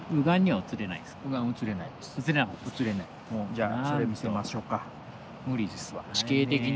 じゃあそれ見せましょっか。